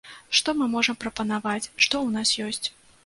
Што мы можам прапанаваць, што ў нас ёсць.